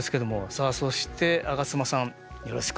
さあそして上妻さんよろしくお願いします。